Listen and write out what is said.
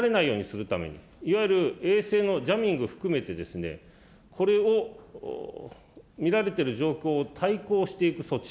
で、わがほうを見られないようにするために、いわゆる衛星のジャミングを含めて、これを見られている状況を対抗していく措置。